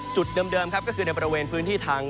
จุดเดิมครับก็คือในบริเวณพื้นที่ทาง